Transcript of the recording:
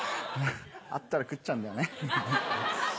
あったら食っちゃうんだよね。